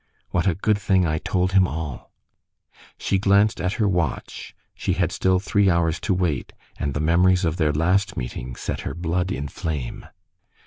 "What a good thing I told him all!" She glanced at her watch. She had still three hours to wait, and the memories of their last meeting set her blood in flame.